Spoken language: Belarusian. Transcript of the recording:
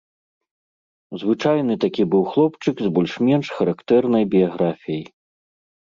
Звычайны такі быў хлопчык з больш-менш характэрнай біяграфіяй.